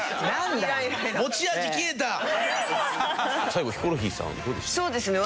最後ヒコロヒーさんはどうですか？